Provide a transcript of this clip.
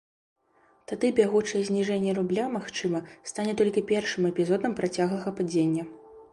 Тады бягучае зніжэнне рубля, магчыма, стане толькі першым эпізодам працяглага падзення.